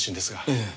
ええ。